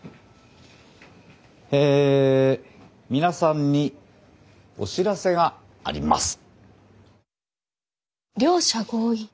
え皆さんにお知らせがあります。両者合意。